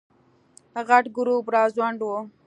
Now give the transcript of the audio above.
غټ ګروپ راځوړند و.